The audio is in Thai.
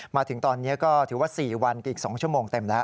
มาถึงตอนนี้ก็ถือว่า๔วันอีก๒ชั่วโมงเต็มแล้ว